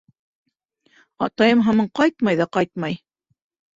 Атайым һаман ҡайтмай ҙа ҡайтмай.